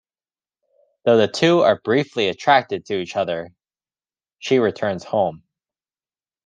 Though the two are briefly attracted to each other, she returns home.